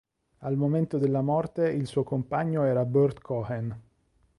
Al momento della morte il suo compagno era Burt Cohen.